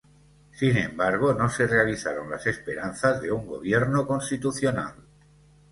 Sin embargo, no se realizaron las esperanzas de un gobierno constitucional.